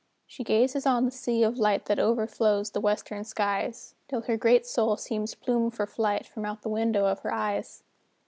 She gazes on the sea of light That overflows the western skies, Till her great soul seems plumed for flight From out the window of her eyes.